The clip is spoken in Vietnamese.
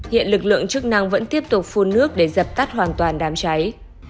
hiện lực lượng chức năng vẫn tiếp tục phun nước để dập tắt hoàn toàn đám cháy